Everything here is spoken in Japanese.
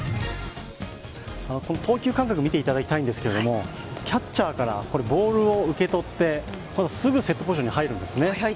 投球間隔を見ていただきたいんですが、キャッチャーからボールを受け取って、すぐセットポジションに入るんですね。